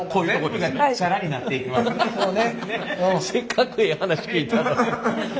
せっかくええ話聞いたのに。